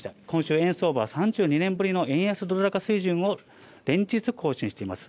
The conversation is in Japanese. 今週円相場は３２年ぶりの円安ドル高水準を連日更新しています。